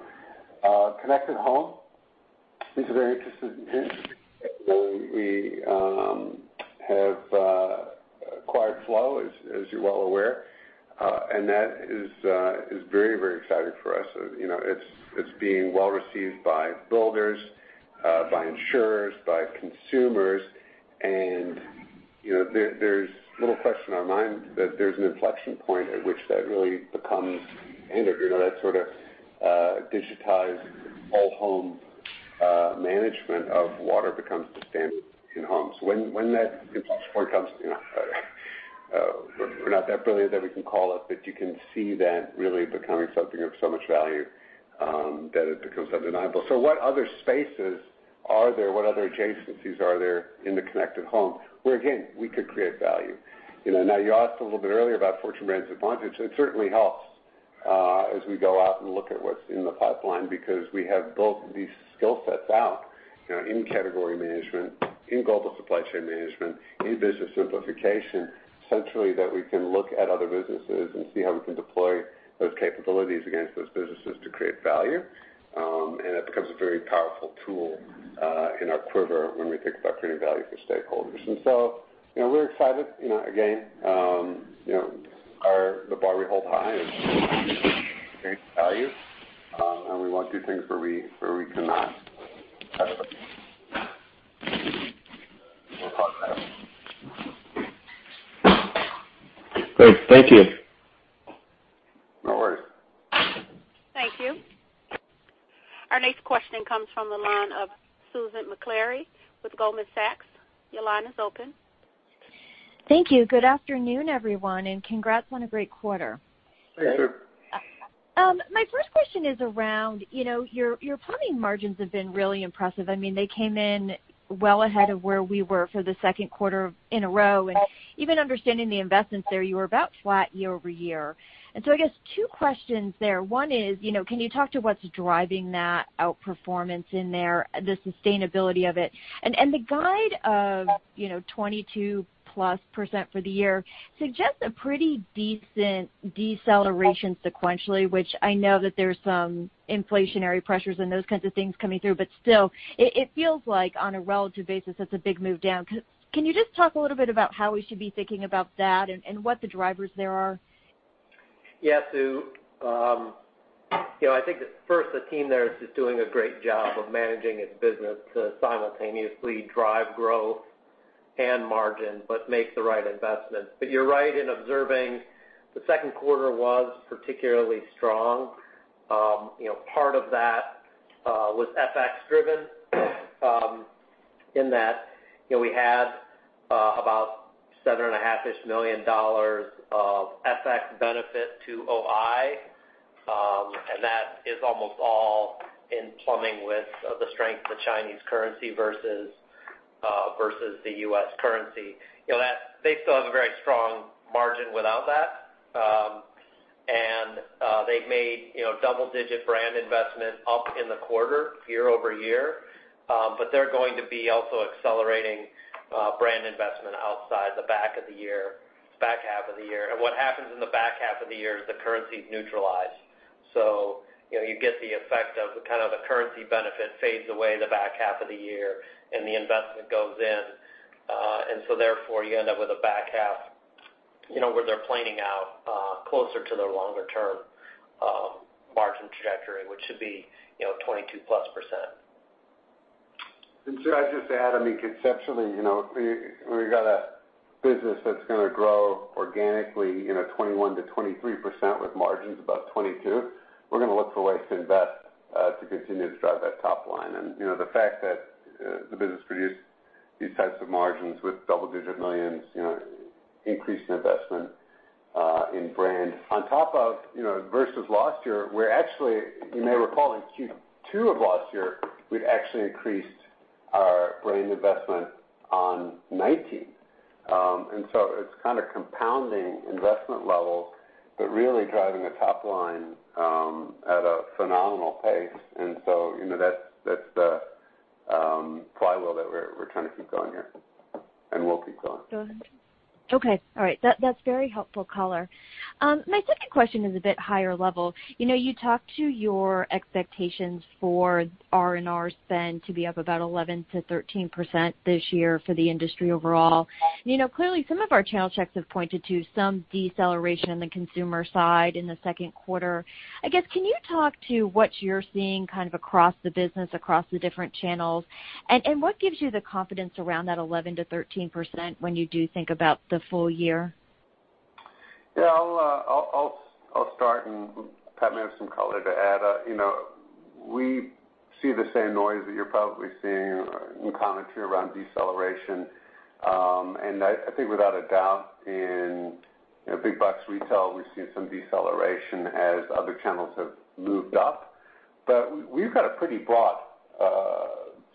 Connected home. It's a very interesting we have acquired Flo, as you're well aware. That is very exciting for us. It's being well-received by builders, by insurers, by consumers. There's little question in our mind that there's an inflection point at which that really becomes standard, that sort of digitized whole home management of water becomes the standard in homes. When that inflection point comes, we're not that brilliant that we can call it. You can see that really becoming something of so much value, that it becomes undeniable. What other spaces are there? What other adjacencies are there in the connected home where, again, we could create value? Now, you asked a little bit earlier about Fortune Brands Advantage. It certainly helps, as we go out and look at what's in the pipeline, because we have both these skill sets out in category management, in global supply chain management, in business simplification, centrally, that we can look at other businesses and see how we can deploy those capabilities against those businesses to create value. It becomes a very powerful tool in our quiver when we think about creating value for stakeholders. We're excited. Again, the bar we hold high is create value, and we won't do things where we cannot add more progress. Great, thank you. No worries. Thank you. Our next question comes from the line of Susan Maklari with Goldman Sachs. Your line is open. Thank you. Good afternoon, everyone, and congrats on a great quarter. Thank you. My first question is around your plumbing margins have been really impressive. They came in well ahead of where we were for the second quarter in a row, even understanding the investments there, you were about flat year-over-year. I guess two questions there. One is, can you talk to what's driving that outperformance in there, the sustainability of it? The guide of, 22%+ for the year suggests a pretty decent deceleration sequentially, which I know that there's some inflationary pressures and those kinds of things coming through, but still, it feels like on a relative basis, that's a big move down. Can you just talk a little bit about how we should be thinking about that and what the drivers there are? Yeah, Sue. I think that first, the team there is just doing a great job of managing its business to simultaneously drive growth and margin, but make the right investments. You're right in observing the second quarter was particularly strong. Part of that was FX driven, in that we had about $7.5 million of FX benefit to OI, that is almost all in plumbing with the strength of the Chinese currency versus the U.S. currency. They still have a very strong margin without that. They've made double-digit brand investment up in the quarter year-over-year. They're going to be also accelerating brand investment outside the back half of the year. What happens in the back half of the year is the currency's neutralized. You get the effect of the kind of the currency benefit fades away in the back half of the year and the investment goes in. You end up with a back half, where they're planning out closer to their longer term margin trajectory, which should be, 22%+ Sue, I'd just add, conceptually, we've got a business that's going to grow organically 21%-23% with margins above 22%. We're going to look for ways to invest to continue to drive that top line. The fact that the business produced these types of margins with double-digit millions increase in investment in brand on top of versus last year, where actually, you may recall in Q2 of last year, we'd actually increased our brand investment on 2019. It's kind of compounding investment levels, but really driving the top line at a phenomenal pace. That's the flywheel that we're trying to keep going here, and will keep going. Go ahead. Okay. All right. That's very helpful color. My second question is a bit higher level. You talked to your expectations for R&R spend to be up about 11%-13% this year for the industry overall. Clearly, some of our channel checks have pointed to some deceleration on the consumer side in the second quarter. I guess, can you talk to what you're seeing kind of across the business, across the different channels? What gives you the confidence around that 11%-13% when you do think about the full year? Yeah, I'll start and Pat may have some color to add. We see the same noise that you're probably seeing in commentary around deceleration. I think without a doubt in big box retail, we've seen some deceleration as other channels have moved up. We've got a pretty broad view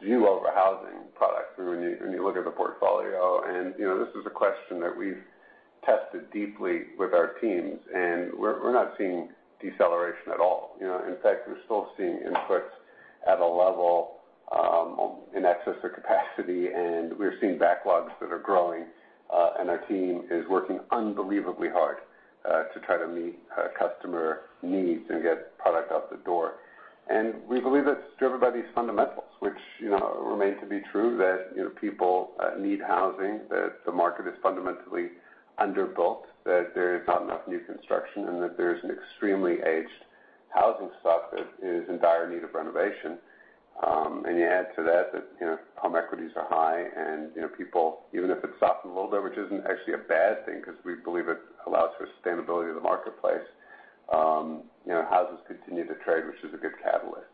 over housing products when you look at the portfolio. This is a question that we've tested deeply with our teams, and we're not seeing deceleration at all. In fact, we're still seeing inputs at a level in excess of capacity, and we're seeing backlogs that are growing, and our team is working unbelievably hard to try to meet customer needs and get product out the door. We believe it's driven by these fundamentals, which remain to be true, that people need housing, that the market is fundamentally underbuilt, that there is not enough new construction, and that there's an extremely aged housing stock that is in dire need of renovation. You add to that, home equities are high and people, even if it's softened a little bit, which isn't actually a bad thing because we believe it allows for sustainability of the marketplace. Houses continue to trade, which is a good catalyst.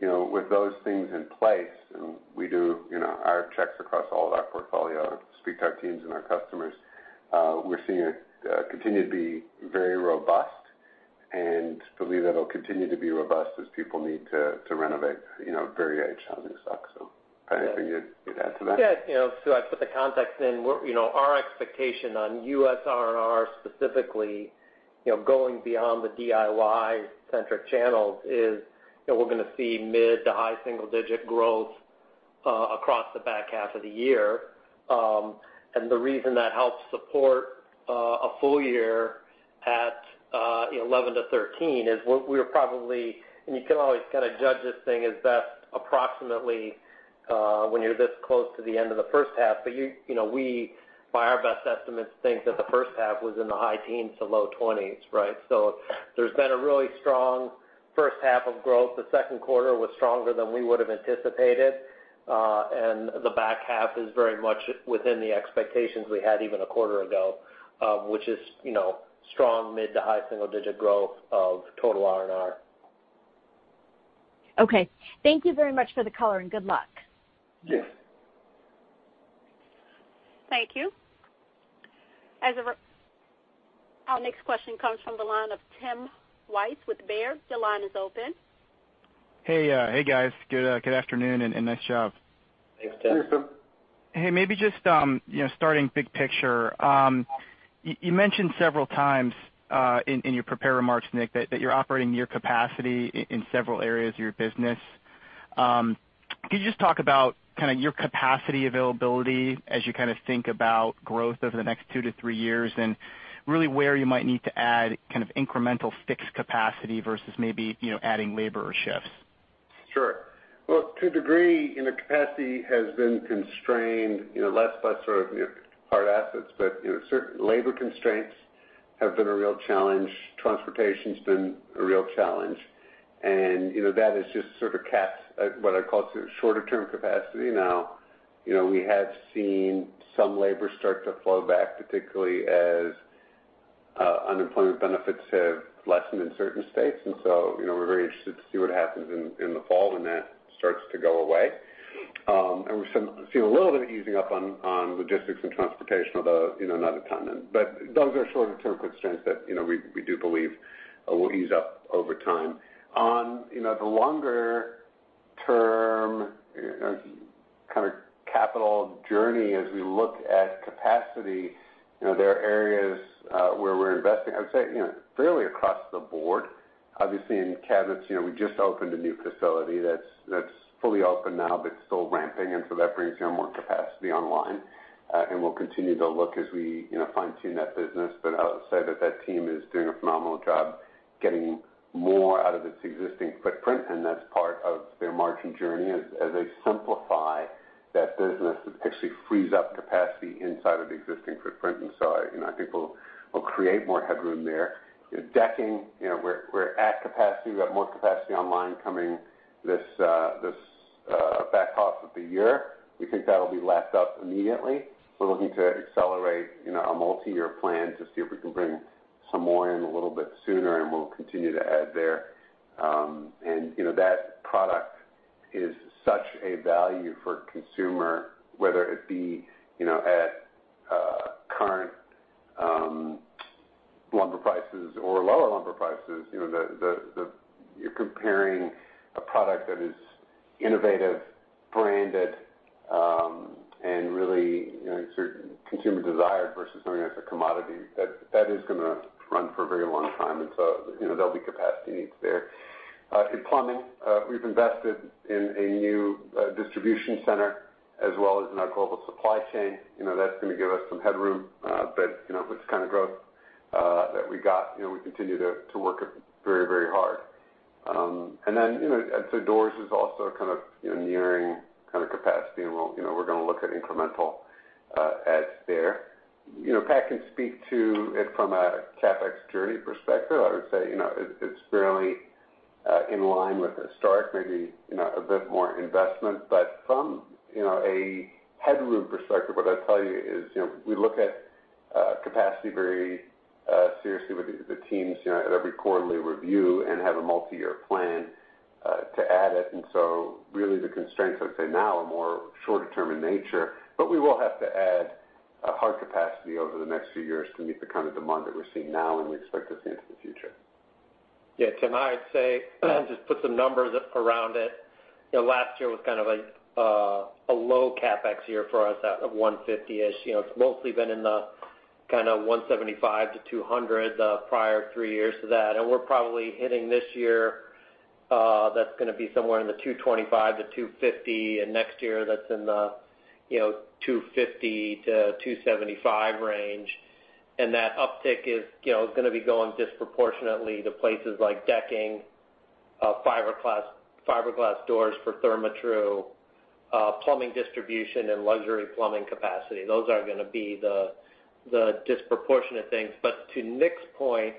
With those things in place, and we do our checks across all of our portfolio, speak to our teams and our customers, we're seeing it continue to be very robust and believe that it'll continue to be robust as people need to renovate very aged housing stock. Pat, anything you'd add to that? Yeah. I put the context in. Our expectation on U.S. R&R specifically, going beyond the DIY-centric channels is, we're going to see mid- to high-single digit growth across the back half of the year. The reason that helps support a full year at 11%-13% is what we are probably, you can always kind of judge this thing as best approximately when you're this close to the end of the first half, but we, by our best estimates, think that the first half was in the high teens to low 20s, right. There's been a really strong first half of growth. The second quarter was stronger than we would've anticipated. The back half is very much within the expectations we had even a quarter ago, which is strong mid- to high-single digit growth of total R&R. Okay. Thank you very much for the color, and good luck. Yeah. Thank you. Our next question comes from the line of Tim Wojs with Baird. Your line is open. Hey guys. Good afternoon. Nice job. Thanks, Hey, maybe just starting big picture. You mentioned several times, in your prepared remarks, Nick, that you're operating near capacity in several areas of your business. Could you just talk about kind of your capacity availability as you kind of think about growth over the next two to three years, and really where you might need to add kind of incremental fixed capacity versus maybe adding labor or shifts? Sure. Well, to a degree, capacity has been constrained less by sort of hard assets, but certain labor constraints have been a real challenge. Transportation's been a real challenge, that has just sort of capped what I call sort of shorter term capacity. Now, we have seen some labor start to flow back, particularly as unemployment benefits have lessened in certain states. We're very interested to see what happens in the fall when that starts to go away. We're seeing a little bit of easing up on logistics and transportation, although not a ton. Those are shorter term constraints that we do believe will ease up over time. On the longer term kind of capital journey as we look at capacity, there are areas where we're investing, I would say, fairly across the board. Obviously in cabinets, we just opened a new facility that's fully open now, but still ramping, and so that brings more capacity online. We'll continue to look as we fine tune that business. I would say that that team is doing a phenomenal job getting more out of its existing footprint, and that's part of their margin journey. As they simplify that business, it actually frees up capacity inside of the existing footprint. I think we'll create more headroom there. Decking, we're at capacity. We've got more capacity online coming this back half of the year. We think that'll be lapped up immediately. We're looking to accelerate a multi-year plan to see if we can bring some more in a little bit sooner, and we'll continue to add there. That product is such a value for a consumer, whether it be at current lumber prices or lower lumber prices. You're comparing a product that is innovative, branded, and really consumer desired versus something that's a commodity. That is going to run for a very long time, and so there will be capacity needs there. In plumbing, we've invested in a new distribution center as well as in our global supply chain. That's going to give us some headroom. With the kind of growth that we got, we continue to work very hard. Doors is also kind of nearing capacity, and we're going to look at incremental adds there. Pat can speak to it from a CapEx journey perspective. I would say it's fairly in line with historic, maybe a bit more investment from a headroom perspective, what I'd tell you is, we look at capacity very seriously with the teams at every quarterly review and have a multi-year plan to add it. Really the constraints, I would say now, are more short term in nature, but we will have to add hard capacity over the next few years to meet the kind of demand that we're seeing now and we expect to see into the future. Tim, I would say, just put some numbers around it. Last year was kind of a low CapEx year for us at $150-ish. It's mostly been in the kind of $175-$200 the prior three years to that. We're probably hitting this year, that's going to be somewhere in the $225-$250, and next year that's in the $250-$275 range. That uptick is going to be going disproportionately to places like decking, fiberglass doors for Therma-Tru, plumbing distribution and luxury plumbing capacity. Those are going to be the disproportionate things. To Nick's point,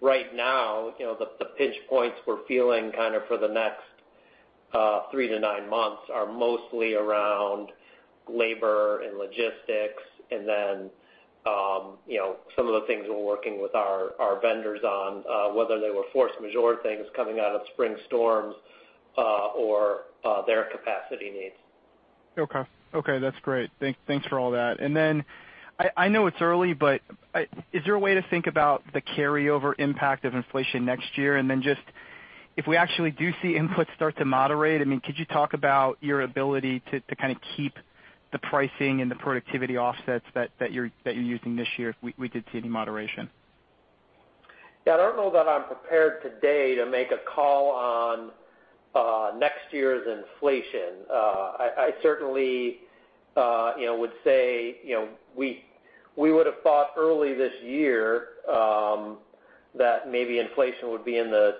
right now, the pinch points we're feeling for the next three to nine months are mostly around labor and logistics and then some of the things we're working with our vendors on, whether they were force majeure things coming out of spring storms, or their capacity needs. Okay. That's great. Thanks for all that. I know it's early, but is there a way to think about the carryover impact of inflation next year? If we actually do see inputs start to moderate, could you talk about your ability to keep the pricing and the productivity offsets that you're using this year, if we did see any moderation? I don't know that I'm prepared today to make a call on next year's inflation. I certainly would say we would've thought early this year that maybe inflation would be in the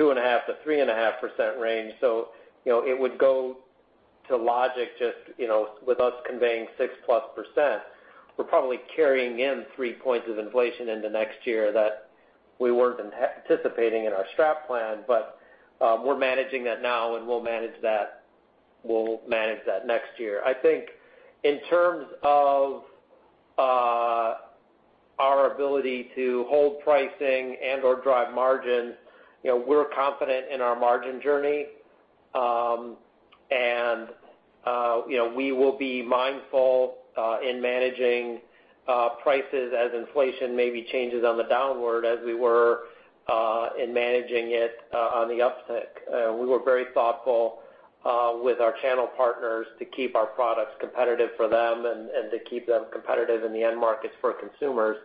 2.5%-3.5% range. It would go to logic just with us conveying 6%+. We're probably carrying in 3 points of inflation into next year that we weren't anticipating in our strategic plan. We're managing that now, and we'll manage that next year. I think in terms of our ability to hold pricing and drive margin, we're confident in our margin journey. We will be mindful in managing prices as inflation maybe changes on the downward as we were in managing it on the uptick. We were very thoughtful with our channel partners to keep our products competitive for them and to keep them competitive in the end markets for consumers.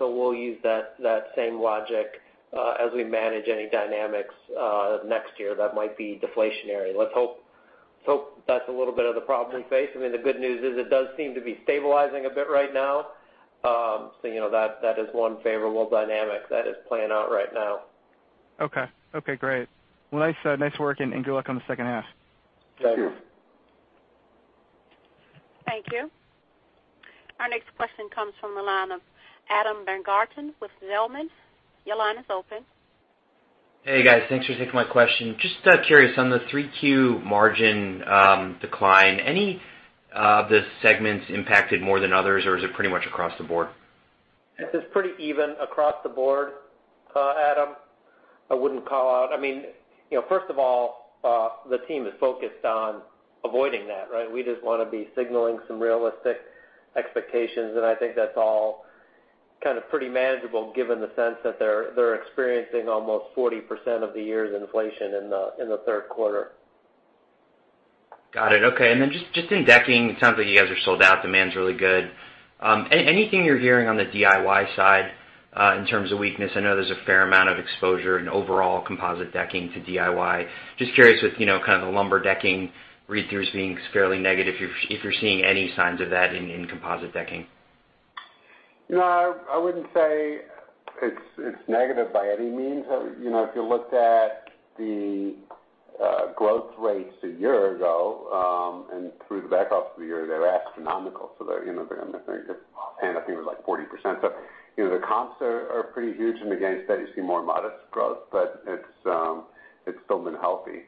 We'll use that same logic as we manage any dynamics next year that might be deflationary. Let's hope that's a little bit of the problem we face. The good news is it does seem to be stabilizing a bit right now. That is one favorable dynamic that is playing out right now. Okay. Great. Well, nice work and good luck on the second half. Thank you. Thank you. Our next question comes from the line of Adam Baumgarten with Zelman Your line is open. Hey, guys. Thanks for taking my question. Just curious on the 3Q margin decline, any of the segments impacted more than others, or is it pretty much across the board? It's pretty even across the board, Adam. First of all, the team is focused on avoiding that, right? We just want to be signaling some realistic expectations, and I think that's all kind of pretty manageable given the sense that they're experiencing almost 40% of the year's inflation in the third quarter. Got it. Okay. Just in decking, it sounds like you guys are sold out. Demand's really good. Anything you're hearing on the DIY side in terms of weakness? I know there's a fair amount of exposure in overall composite decking to DIY. Just curious with kind of the lumber decking read-throughs being fairly negative, if you're seeing any signs of that in composite decking. No, I wouldn't say it's negative by any means. If you looked at the growth rates a year ago, and through the back half of the year, they were astronomical. Offhand, I think it was like 40%. The comps are pretty huge, and again, you steadily see more modest growth, but it's still been healthy.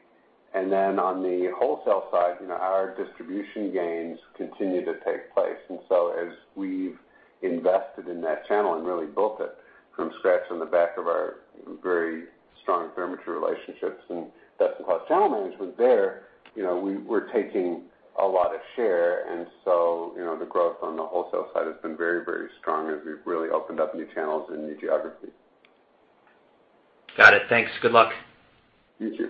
On the wholesale side, our distribution gains continue to take place. As we've invested in that channel and really built it from scratch on the back of our very strong Therma-Tru relationships and best-in-class channel management there, we're taking a lot of share. The growth on the wholesale side has been very, very strong as we've really opened up new channels and new geographies. Got it. Thanks. Good luck. You too.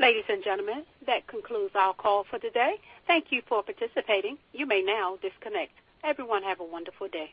Ladies and gentlemen, that concludes our call for today. Thank you for participating. You may now disconnect. Everyone have a wonderful day.